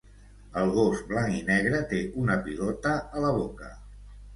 El gos blanc i negre té una pilota a la boca.